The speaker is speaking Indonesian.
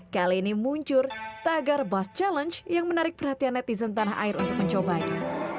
kali ini muncul tagar bus challenge yang menarik perhatian netizen tanah air untuk mencobanya